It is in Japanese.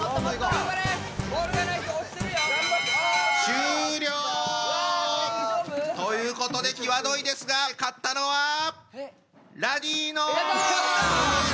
頑張れ！終了！ということで際どいですが勝ったのはラニーノーズ！